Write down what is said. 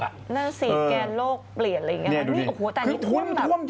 นั่นสิแกนโลกเปลี่ยนอะไรอย่างนี้ค่ะ